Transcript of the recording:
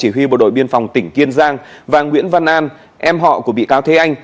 huy bộ đội biên phòng tỉnh kiên giang và nguyễn văn an em họ của bị cáo thế anh